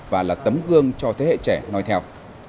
và là tấm gương cho thế hệ trẻ nói theo